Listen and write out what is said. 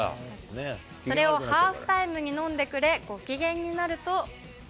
それをハーフタイムに飲んでくれ、ご機嫌になると。